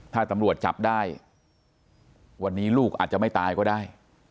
ถ้าตำรวจจับได้วันนี้ลูกอาจจะไม่ตายก็ได้